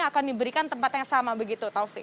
akan diberikan tempat yang sama begitu taufik